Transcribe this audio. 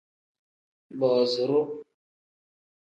Booziru.